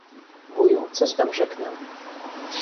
Wuju, coś wam rzeknę.